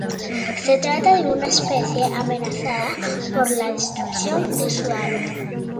Se trata de una especie amenazada por la destrucción de su hábitat.